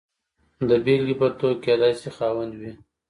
د بېلګې په توګه کېدای شي خاوند وي.